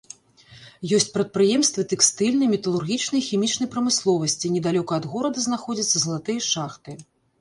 Ёсць прадпрыемствы тэкстыльнай, металургічнай і хімічнай прамысловасці, недалёка ад горада знаходзяцца залатыя шахты.